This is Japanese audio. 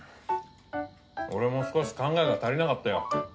俺も少し考えが足りなかったよ。